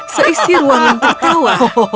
seisi ruangan tertawa